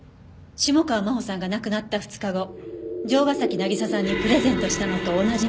下川真帆さんが亡くなった２日後城ヶ崎渚さんにプレゼントしたのと同じものを。